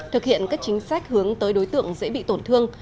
thực hiện các chính sách hướng tới đối tượng dễ bị tổn thương